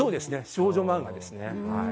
少女漫画です。